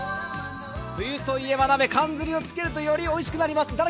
冬といえば鍋、かんずりをつけるとよりおいしくなります。